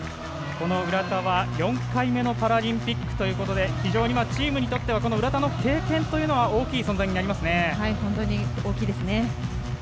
浦田は４回目のパラリンピックということで非常にチームにとっては浦田の経験というのは大きい存在になりますね。